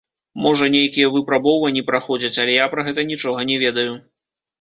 Можа, нейкія выпрабоўванні праходзяць, але я пра гэта нічога не ведаю.